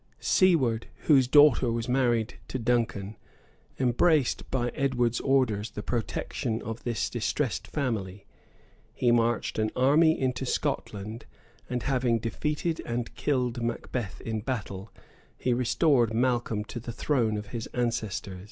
Siward, whose daughter was married to Duncan, embraced, by Edward's orders, the protection of this distressed family: he marched an army into Scotland; and having defeated and killed Macbeth in battle, he restored Malcolm to the throne of his ancestors.